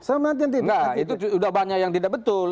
nggak itu sudah banyak yang tidak betul